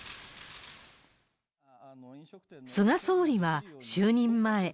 菅総理は就任前。